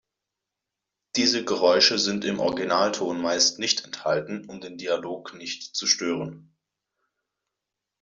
Diese Geräusche sind im Originalton meist nicht enthalten, um den Dialog nicht zu stören.